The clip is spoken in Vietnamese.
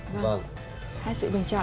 vâng hai sự bình chọn